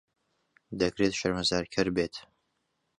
دەکرێت شەرمەزارکەر بێت.